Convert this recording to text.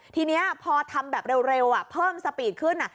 ทีนี้พอทำแบบเร็วเพิ่มสปีดขึ้น